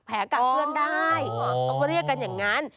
แผ่กะเตือนได้